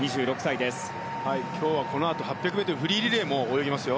今日はこのあと８００ｍフリーリレーも泳ぎますよ。